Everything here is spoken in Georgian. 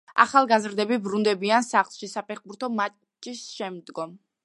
ახალგაზრდები ბრუნდებიან სახლში საფეხბურთო მატჩის შემდგომ.